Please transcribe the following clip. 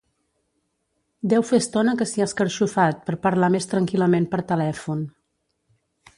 Deu fer estona que s'hi ha escarxofat per parlar més tranquil·lament per telèfon.